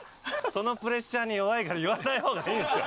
そのプレッシャーに弱いから言わない方がいいですよ。